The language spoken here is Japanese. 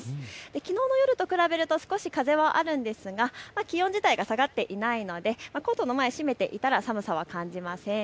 きのうの夜と比べると少し風はあるんですが気温自体が下がっていないのでコートの前、閉めていたら寒さは感じません。